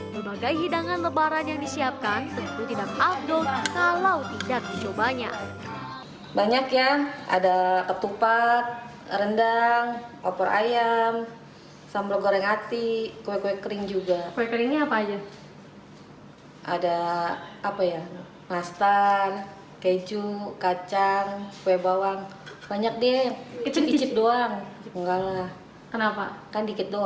berbagai hidangan lebaran yang disiapkan tentu tidak outdoor kalau tidak dicobanya